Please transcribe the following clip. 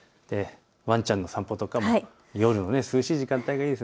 ワンちゃんの散歩とかも夜の涼しい時間帯がいいです。